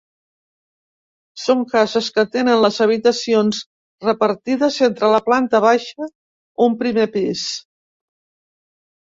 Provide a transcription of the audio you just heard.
Són cases que tenen les habitacions repartides entre la planta baixa un primer pis.